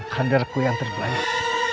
kandarku yang terbaik